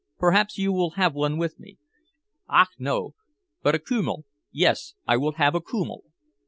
"Perhaps you will have one with me?" "Ach no! But a kümmel yes, I will have a kümmel!"